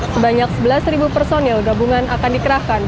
sebanyak sebelas personil gabungan akan dikerahkan